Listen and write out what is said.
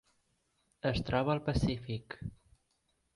Es troba al Pacífic.